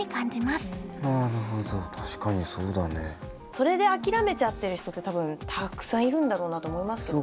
それで諦めちゃってる人って多分たくさんいるんだろうなと思いますけどね。